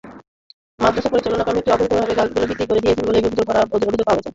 মাদ্রাসা পরিচালনা কমিটি অবৈধভাবে গাছগুলো বিক্রি করে দিয়েছে বলে অভিযোগ পাওয়া গেছে।